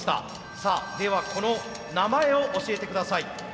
さあではこの名前を教えて下さい。